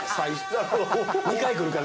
２回くるから。